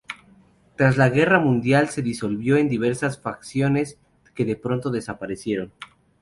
Tras la Guerra Mundial se disolvió en diversas facciones que pronto desaparecieron.